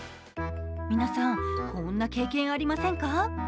皆さん、こんな経験ありませんか？